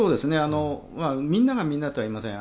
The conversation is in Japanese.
みんながみんなとは言いません。